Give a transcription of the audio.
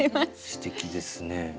すてきですね。